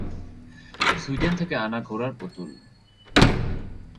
Sweden থেকে আনা ঘোড়ার পুতুল।